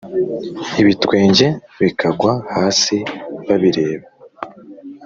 ibitwenge bikagwa hasi babireba